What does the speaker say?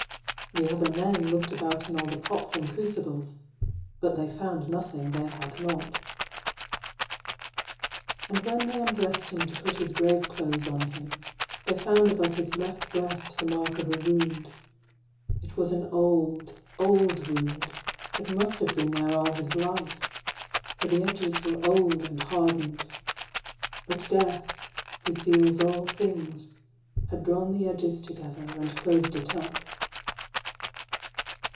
The other men looked about in all the pots and crucibles, but they found nothing they had not. And when they undressed him to put his grave clothes on him, they found above his left breast the mark of a wound it was an old, old wound, that must have been there all his life, for the edges were old and hardened; but Death, who seals all things, had drawn the edges together, and closed it up.